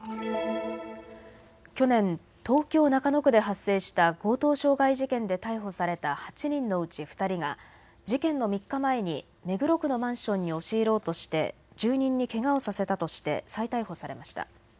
去年、東京中野区で発生した強盗傷害事件で逮捕された８人のうち２人が事件の３日前に目黒区のマンションに押し入ろうとして住人にけがをさせたとして再逮捕されました。